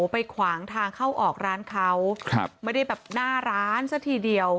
ขวางทางเข้าออกร้านเขาไม่ได้แบบหน้าร้านซะทีเดียว